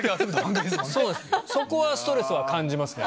そこはストレスは感じますね。